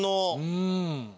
うん。